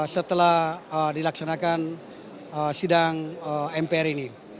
setelah dilaksanakan sidang mpr ini